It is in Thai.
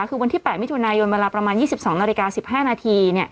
คือวันที่๘มิถุนายนเวลาประมาณ๒๒นาฬิกา๑๕นาที